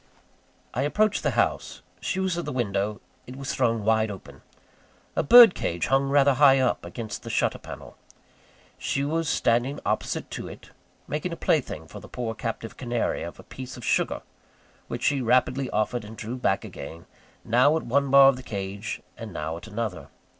I approached the house. She was at the window it was thrown wide open. A bird cage hung rather high up, against the shutter panel. She was standing opposite to it, making a plaything for the poor captive canary of a piece of sugar, which she rapidly offered and drew back again, now at one bar of the cage, and now at another.